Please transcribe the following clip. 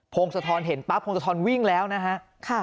พงศธรเห็นปั๊บพงศธรวิ่งแล้วนะฮะ